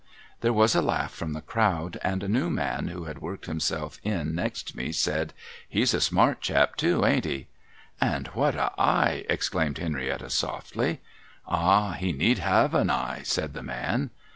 There was a laugh from the crowd ; and a new man who had worked himself in next me, said, ' He's a smart chap, too ; ain't he?' ' And what a eye !' exclaimed Henrietta softly. 'Ah ! He need have a eye,' said the man.